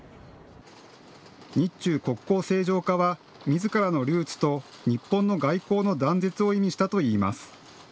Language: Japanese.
日中国交正常化はみずからのルーツと日本の外交の断絶を意味したといいます。